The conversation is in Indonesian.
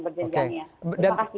berjenjangnya terima kasih